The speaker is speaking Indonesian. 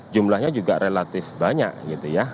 jumlahnya juga relatif banyak gitu ya